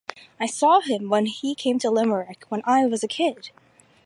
I saw him when he came to Limerick, when I was a kid.